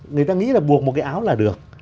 người ta nghĩ là buộc một cái áo là được